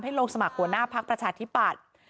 ลงสมัครหัวหน้าพักประชาธิปัตย์